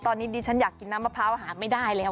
ตอนนี้ดิฉันอยากกินน้ำมะพร้าวหาไม่ได้แล้ว